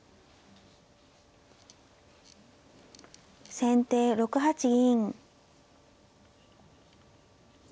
先手６八銀。